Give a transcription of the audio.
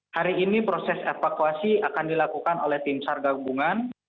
hari ini proses evakuasi akan dilakukan oleh tim sargabungan